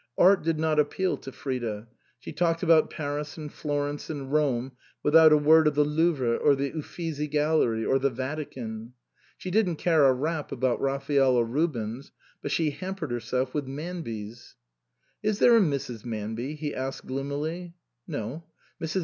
Art did not appeal to Frida. She talked about Paris and Florence and Rome without a word of the Louvre or the Uffizi Gallery or the Vatican. She didn't care a rap about Raphael or Rubens, but she hampered herself with Manbys. " Is there a Mrs. Manby ?" he asked gloomily. " No. Mrs.